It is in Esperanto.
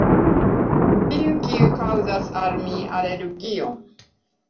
Tiu, kiu kaŭzas al mi alergion...